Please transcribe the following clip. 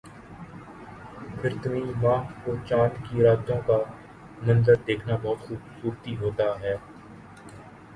پرتھویں ماہ کو چاند کی راتوں کا منظر دیکھنا بہت خوبصورتی ہوتا ہے